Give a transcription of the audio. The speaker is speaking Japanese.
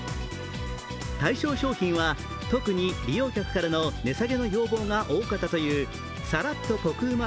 対象商品は特に利用客からの値下げの要望が多かったという、サラッとコクうま